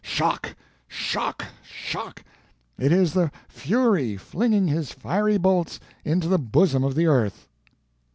Shock! Shock! Shock! It is the Fury flinging his fiery bolts into the bosom of the earth.